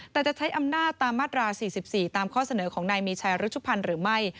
แต่จะใช้อำนาจตามมาตรา๔๔ตามข้อเสนอของนายมีชัยรุชุพันธ์หรือไม่